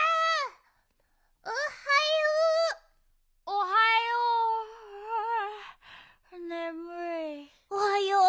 おはよう。